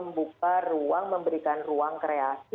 membuka ruang memberikan ruang kreasi